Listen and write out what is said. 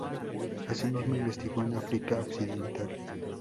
Asimismo investigó en África Occidental.